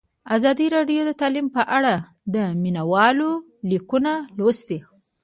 ازادي راډیو د تعلیم په اړه د مینه والو لیکونه لوستي.